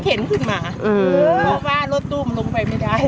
เขา